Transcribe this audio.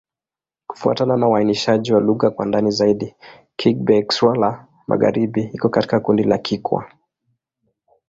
Kufuatana na uainishaji wa lugha kwa ndani zaidi, Kigbe-Xwla-Magharibi iko katika kundi la Kikwa.